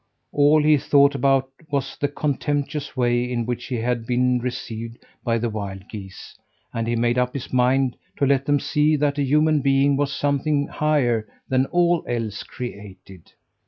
All he thought about was the contemptuous way in which he had been received by the wild geese; and he made up his mind to let them see that a human being was something higher than all else created.